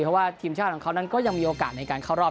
เพราะว่าทีมชาติของเขานั้นก็ยังมีโอกาสในการเข้ารอบ